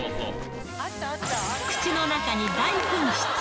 口の中に大噴出。